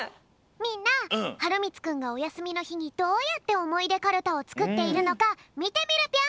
みんなはるみつくんがおやすみのひにどうやっておもいでかるたをつくっているのかみてみるぴょん。